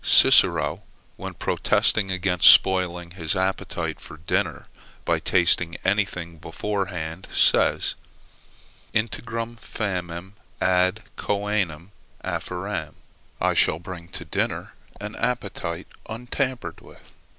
Cicero, when protesting against spoiling his appetite for dinner, by tasting anything beforehand, says, integram famem ad coenam afferam; I shall bring to dinner an appetite untampered with.